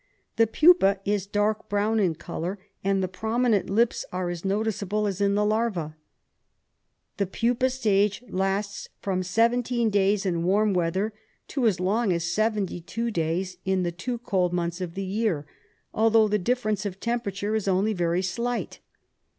The pupa is dark brown in colour, and the prominent lips are as noticeable as in the larva. The pupa stage lasts from 17 days in warm weather, to as long as 72 days in the two cold months of the year, although the difference of temperature is only very slight.